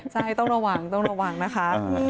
ใช่ต้องระหว่างต้องระหว่างนะคะ